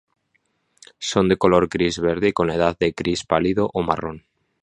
Son de color gris-verde y con la edad a gris pálido o marrón.